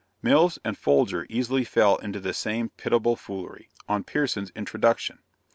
Mills and Folger easily fell into the same pitiable foolery, on Pierson's introduction.